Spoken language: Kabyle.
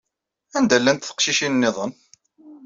Anda llant teqcicin nniḍen?